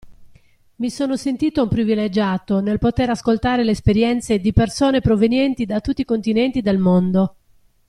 Mi sono sentito un privilegiato nel poter ascoltare le esperienze di persone provenienti da tutti i continenti del Mondo.